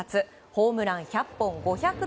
ホームラン１００本５００